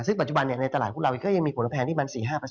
ซึ่งปัจจุบันเนี่ยในตลาดของเรามีผลแพงที่มัน๔๕